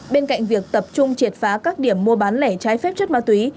bên cạnh việc tập trung triệt phá các điểm mua bán lẻ trái phép chất ma túy